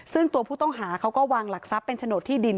ซึ่งตัวผู้ต้องหาเขาก็วางหลักทรัพย์เป็นโฉนดที่ดิน